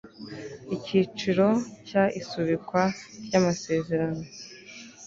icyiciro cya isubikwa ry amasezerano